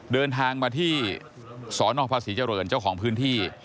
เดินทางมาที่สนภาษีเจริญเจ้าของพื้นที่